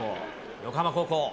横浜高校。